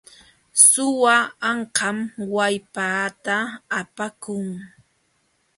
Suwa ankam wallpaata apakun.